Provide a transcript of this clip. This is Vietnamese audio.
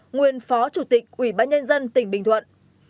nguyên phó chủ tịch ủy bãi đen dân tỉnh bình thuận